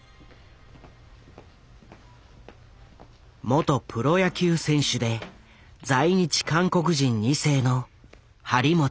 元プロ野球選手で在日韓国人二世の張本勲。